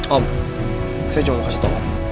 om saya cuma mau kasih tolong